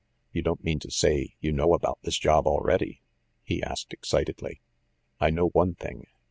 "You don't mean to say you know about this job already?" he asked ex citedly. "I know one thing.